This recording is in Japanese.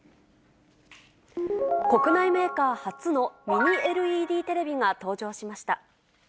国内メーカー初のミニＬＥＤテレビが登場しました。